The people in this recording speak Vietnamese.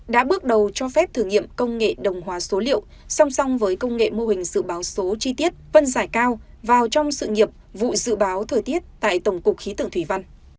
và việc thử nghiệm công nghệ đồng hóa số liệu song song với công nghệ mô hình dự báo số chi tiết vân giải cao vào trong sự nghiệp vụ dự báo thời tiết tại tổng cục khí tượng thủy văn